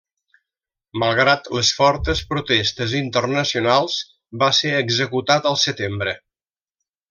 Malgrat les fortes protestes internacionals, va ser executat al setembre.